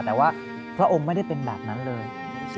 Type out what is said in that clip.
แต่ว่าพระองค์ไม่ได้เป็นแบบนั้นเลย